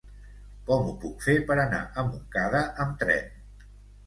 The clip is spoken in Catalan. Com ho puc fer per anar a Montcada amb tren?